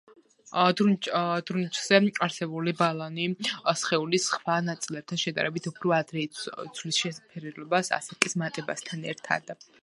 დრუნჩზე არსებული ბალანი სხეულის სხვა ნაწილებთან შედარებით უფრო ადრე იცვლის შეფერილობას ასაკის მატებასთან ერთად.